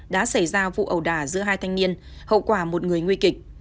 đã xảy ra vụ ẩu đả giữa hai thanh niên hậu quả một người nguy kịch